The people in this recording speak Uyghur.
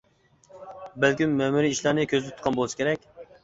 بەلكىم مەمۇرىي ئىشلارنى كۆزدە تۇتقان بولسا كېرەك.